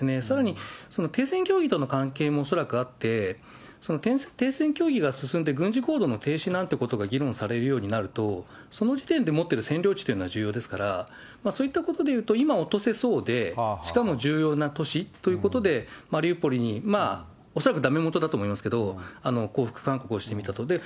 さらに、停戦協議との関係も恐らくあって、停戦協議が進んで、軍事行動の停止なんていうことが議論されるようになると、その時点で持ってる占領地というのは重要ですから、そういったことでいうと、今落とせそうで、しかも重要な都市ということで、マリウポリに、恐らくだめもとだと思いますけれども、降伏勧告してみたと。